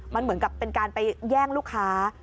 มันเหมือนกับเป็นการไปแย่งลูกค้า